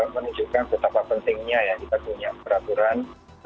menunjukkan betapa pentingnya ya kita punya peraturan